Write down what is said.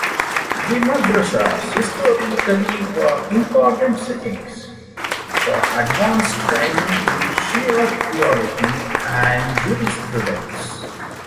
The madrassas historically were important settings for advanced training in Shia theology and jurisprudence.